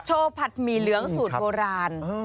ผัดหมี่เหลืองสูตรโบราณ